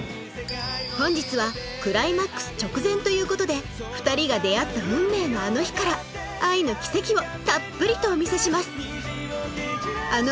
本日はクライマックス直前ということで２人が出会った運命のあの日から愛の奇跡をたっぷりとお見せします